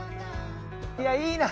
いやいいな